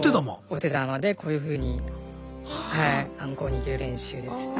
お手玉でこういうふうにあんこを握る練習ですね。